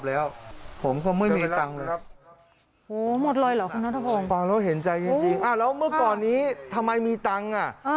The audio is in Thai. อ้าวเมื่อก่อนนี้ทำไมมีตังค์